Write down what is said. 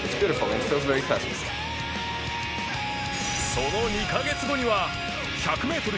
その２カ月後には１００メートル